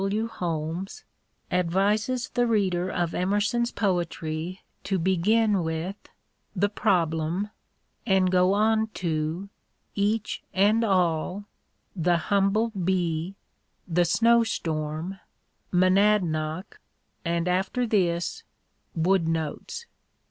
W. Holmes, advises the reader of Emerson's poetry to begin with " The Problem " and go on to " Each and All," " The Humble Bee," " The Snowstorm," " Monadnoc," and after this " Wood Notes."